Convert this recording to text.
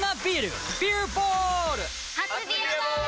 初「ビアボール」！